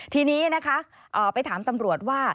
ทีนี้นะคะไปถามตำรวจว่า